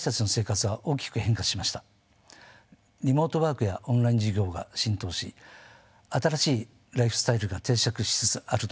リモートワークやオンライン授業が浸透し新しいライフスタイルが定着しつつあると思います。